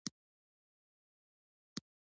له دې نړۍ سترګې پټې کړې.